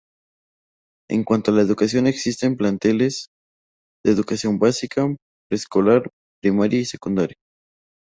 En cuanto a la educación existen planteles de educación básica: preescolar, primaria y secundaria.